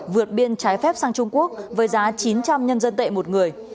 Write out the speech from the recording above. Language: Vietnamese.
vượt biên trái phép sang trung quốc với giá chín trăm linh nhân dân tệ một người